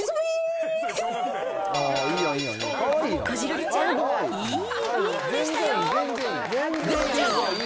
こじるりちゃん、いいビームでしたよ。